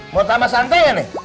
mau tambah santai nih